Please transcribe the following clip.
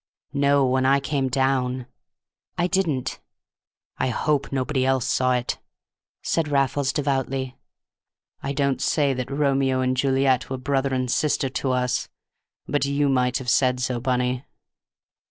"No, when I came down." "I didn't." "I hope nobody else saw it," said Raffles devoutly. "I don't say that Romeo and Juliet were brother and sister to us. But you might have said so, Bunny!"